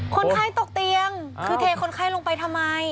คนไข้ตกเตียงคือเทคนไข้ลงไปทำไม